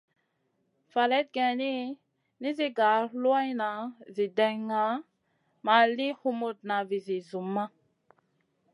Faleyd geyni, nizi gar luanʼna zi dena ma li humutna vizi zumma.